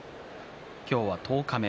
今日は十日目。